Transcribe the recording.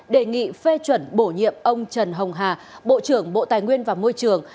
đề nghị phê chuẩn bổ nhiệm ông trần hồng hà bộ trưởng bộ tài nguyên và môi trường